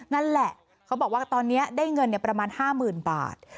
นั่นแหละเขาบอกว่าตอนนี้ได้เงินเนี่ยประมาณห้ามหมื่นบาท